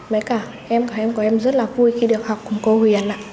mới cả em cả em của em rất là vui khi được học cùng cô huyền ạ